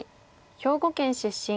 兵庫県出身。